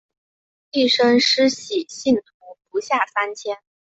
一生施洗信徒不下三千。